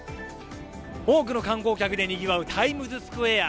多くの観光客でにぎわうタイムズスクエア。